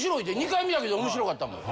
２回目やけど面白かったもん。